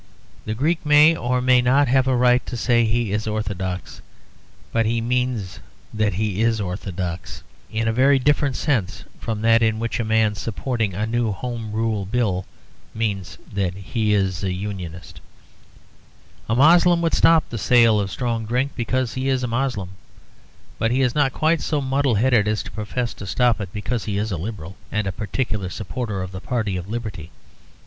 The Greek may or may not have a right to say he is Orthodox, but he means that he is Orthodox; in a very different sense from that in which a man supporting a new Home Rule Bill means that he is Unionist. A Moslem would stop the sale of strong drink because he is a Moslem. But he is not quite so muddleheaded as to profess to stop it because he is a Liberal, and a particular supporter of the party of liberty.